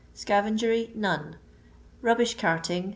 Scavengery. t Rubbish Carting.